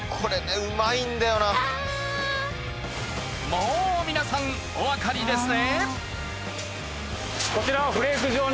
もう皆さんおわかりですね。